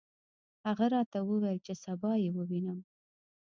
هغه راته وویل چې سبا یې ووینم.